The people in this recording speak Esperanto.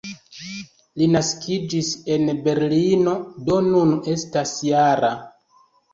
Li naskiĝis en Berlino, do nun estas -jara.